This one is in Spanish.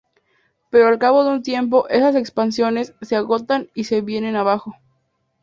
Pero al cabo de un tiempo, esas expansiones se agotan y se vienen abajo.